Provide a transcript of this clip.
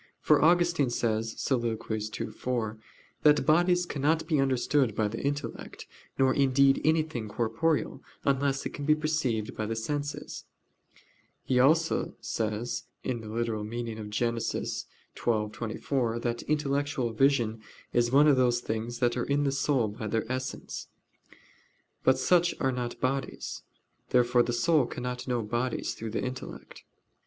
For Augustine says (Soliloq. ii, 4) that "bodies cannot be understood by the intellect; nor indeed anything corporeal unless it can be perceived by the senses." He says also (Gen. ad lit. xii, 24) that intellectual vision is of those things that are in the soul by their essence. But such are not bodies. Therefore the soul cannot know bodies through the intellect.